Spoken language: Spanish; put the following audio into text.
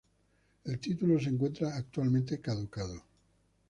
El título se encuentra actualmente caducado.